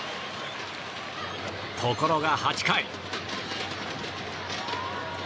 ところが８回。